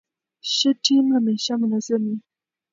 ښه ټیم همېشه منظم يي.